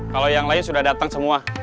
kalau yang lain sudah datang semua